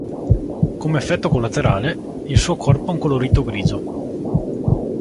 Come effetto collaterale, il suo corpo ha un colorito grigio.